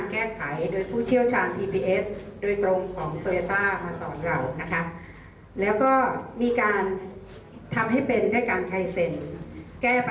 แก้ปัญหาให้เป็นได้ด้วยตัวเอง